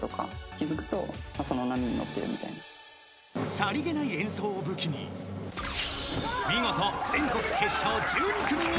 ［さりげない演奏を武器に見事全国決勝１２組に残った］